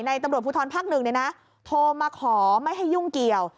ในตำรวจภูทรภักดิ์๑เนี่ยนะโทรมาขอไม่ให้ยุ่งเกี่ยว